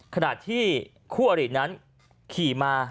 ขณะที่คู่อรินั้นขี่มา